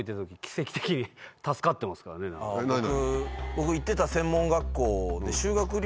僕行ってた専門学校で。